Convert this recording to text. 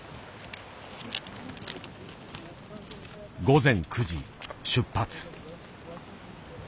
午前９時出発。